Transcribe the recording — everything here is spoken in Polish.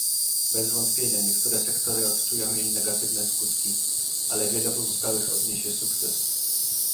Bez wątpienia niektóre sektory odczują jej negatywne skutki, ale wiele pozostałych odniesie sukces